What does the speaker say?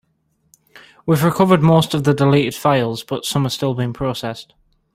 We have recovered most of the deleted files, but some are still being processed.